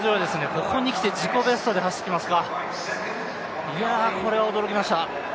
ここにきて自己ベストで走ってきますか、これは驚きました